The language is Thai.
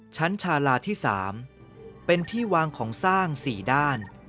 ชาลาที่๓เป็นที่วางของสร้าง๔ด้าน